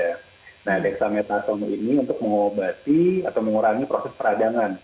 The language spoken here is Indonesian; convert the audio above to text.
nah deksametasono ini untuk mengobati atau mengurangi proses peradangan